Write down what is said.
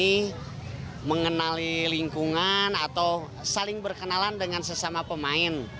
ini mengenali lingkungan atau saling berkenalan dengan sesama pemain